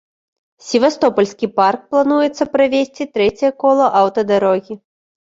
Севастопальскі парк плануецца правесці трэцяе кола аўтадарогі.